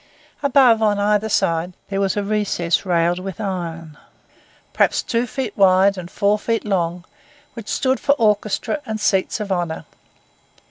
Above, on either side, there was a recess railed with iron, perhaps two feet wide and four long, which stood for orchestra and seats of honour.